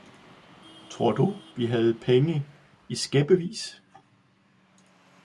Tror du, vi have penge i skæppevis?